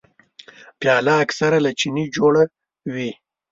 پیاله اکثره له چیني جوړه وي.